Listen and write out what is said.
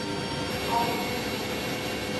Olamga qotil